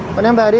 bọn em về đi